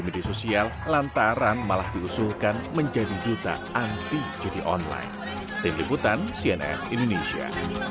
media sosial lantaran malah diusulkan menjadi duta anti judi online tim liputan cnn indonesia